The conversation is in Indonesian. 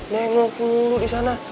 nengok mulu di sana